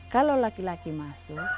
kalau laki laki masuk